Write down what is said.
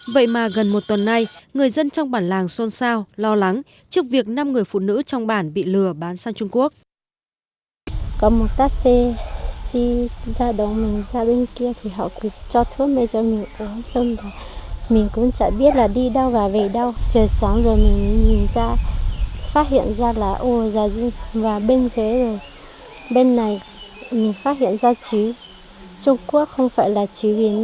vậy mà gần một tuần nay người dân trong bản làng xôn xao lo lắng trước việc năm người phụ nữ trong bản bị lửa bán sang trung quốc